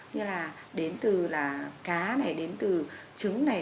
như là đến từ là cá này